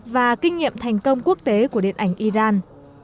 và kinh nghiệm thành công quốc tế của điện ảnh iran